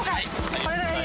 これぐらいで。